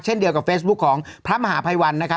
เช่นเดียวกับเฟสบุ๊คของพระมหาใบ่วัน